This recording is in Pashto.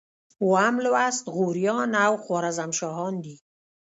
اووم لوست غوریان او خوارزم شاهان دي.